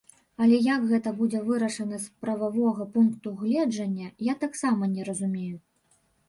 Але як гэта будзе вырашана з прававога пункту гледжання, я таксама не разумею.